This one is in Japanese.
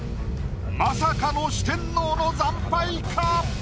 まさかの四天王の惨敗か？